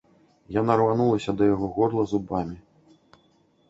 Яна рванулася да яго горла зубамі.